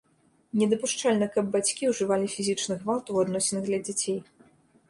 Недапушчальна, каб бацькі ўжывалі фізічны гвалт у адносінах для дзяцей.